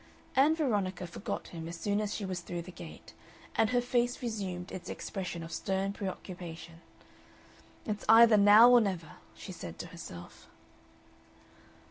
Ann Veronica forgot him as soon as she was through the gate, and her face resumed its expression of stern preoccupation. "It's either now or never," she said to herself....